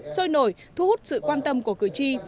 sôi nổi thu hút sự quan tâm của cử tri